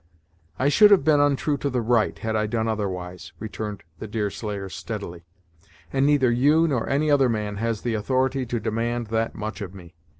"I should have been untrue to the right, had I done otherwise," returned the Deerslayer, steadily; "and neither you, nor any other man has authority to demand that much of me.